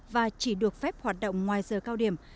và chỉ được phép hoạt động ngoài giờ cao điểm